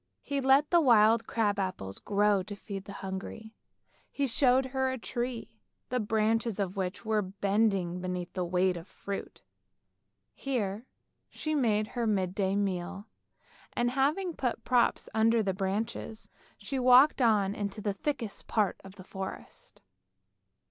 He let the wild crab apples grow to feed the hungry. He showed her a tree, the branches of which were bending beneath their weight of fruit. Here she made her midday meal, and, having put props under the branches, she walked on into the thickest part of the forest.